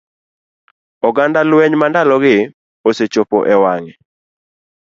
oganda lweny ma ndalogi osechopo e wang'e.